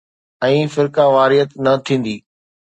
۽ فرقيواريت نه ٿيندي.